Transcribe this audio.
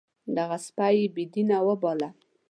دغه سپی یې بې دینه وباله.